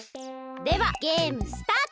ではゲームスタート！